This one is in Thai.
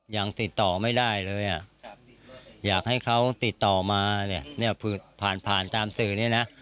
ยังติดต่อไม่ได้เลยอ่ะอยากให้เขาติดต่อมาเนี่ยผ่านผ่านตามสื่อเนี่ยนะ